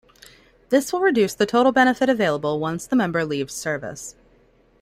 This will reduce the total benefit available once the member leaves service.